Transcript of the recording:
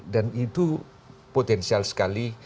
dan itu potensial sekali